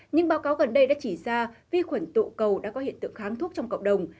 nhưng báo cáo gần đây đã chỉ ra vi khuẩn tụ cầu đã có hiện tượng kháng thuốc trong cộng đồng